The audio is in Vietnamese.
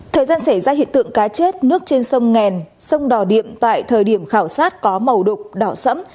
thời gian xảy ra hiện tượng cá chết nước trên sông nghèn sông đỏ điện tại thời điểm khảo sát có màu đục đỏ sẫm